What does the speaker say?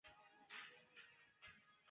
最近的为罗马和梵蒂冈。